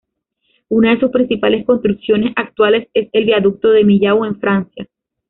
Una de sus principales construcciones actuales es el Viaducto de Millau, en Francia.